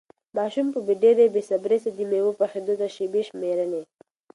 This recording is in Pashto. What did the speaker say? ماشوم په ډېرې بې صبري د مېوې پخېدو ته شېبې شمېرلې.